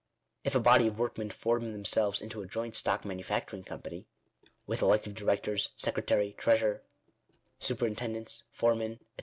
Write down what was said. If a body of workmen formed themselves into a joint stock manufacturing company, with elective directors, secretary, treasurer, superin tendents, foremen, &c.